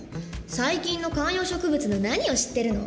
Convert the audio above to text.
最近の観葉植物の何を知ってるの？